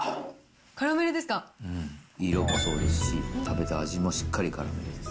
色もそうですし、食べた味もしっかりカラメルです。